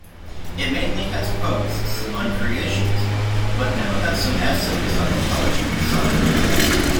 It mainly has posts, on creationism, but now has some essays on "Intelligent design".